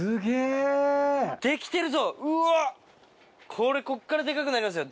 これこっからデカくなりますよ